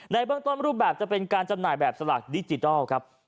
เบื้องต้นรูปแบบจะเป็นการจำหน่ายแบบสลากดิจิทัลครับ